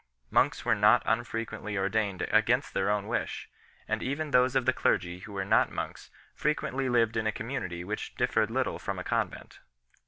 Monks were not unfrequently ordained against their own wish 6 , and even those of the clergy who were not monks frequently lived in a community which differed little from a convent.